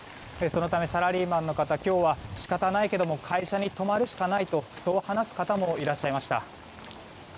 そのため、サラリーマンの方は今日は仕方ないけども会社に泊まるしかないとそう話す方もいらっしゃいました。